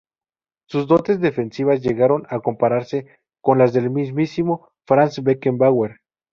Su dotes defensivas llegaron a compararse con las del mismísimo Franz Beckenbauer.